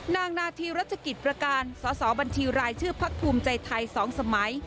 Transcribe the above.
นางนาธีรัชกิจประการสอสอบัญชีรายชื่อพักภูมิใจไทย๒สมัย